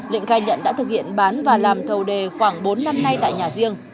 lĩnh khai nhận đã thực hiện bán và làm thầu đề khoảng bốn năm nay tại nhà riêng